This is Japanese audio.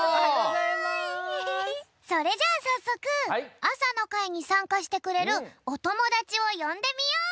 それじゃあさっそくあさのかいにさんかしてくれるおともだちをよんでみよう。